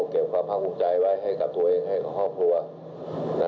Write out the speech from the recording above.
เก็บความทรงบุคใจไว้ให้กับตัวเองให้ข้อภูมิครับ